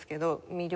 魅力。